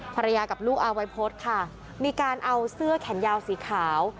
ภรรยากับลูกเอาไว้โพสต์ค่ะมีการเอาเสื้อแขนยาวสีขาว